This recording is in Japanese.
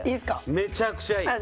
めちゃくちゃいい。